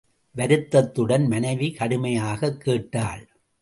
வருத்தத்துடன் மனைவி கடுமையாகக் கேட்டாள்.